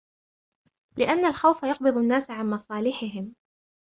لِأَنَّ الْخَوْفَ يَقْبِضُ النَّاسَ عَنْ مَصَالِحِهِمْ